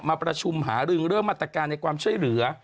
ในระทรประชุมหารึงเริ่มมาตรการในความช่วยเหลือ